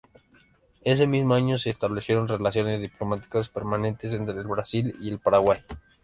Ese mismo año se establecieron relaciones diplomáticas permanentes entre el Brasil y el Paraguay.